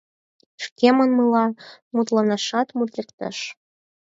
— Шке манмыла, мутланашат мут лектеш.